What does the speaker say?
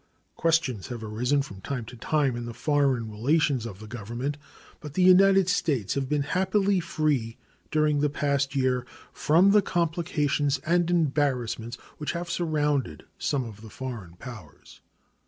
Questions have arisen from time to time in the foreign relations of the Government, but the United States have been happily free during the past year from the complications and embarrassments which have surrounded some of the foreign powers.